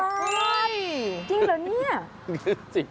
จริงเหรอเนี่ย